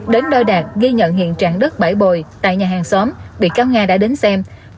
đến nơi đạt ghi nhận hiện trạng đất bãi bồi tại nhà hàng xóm bị cáo nga đã đến xem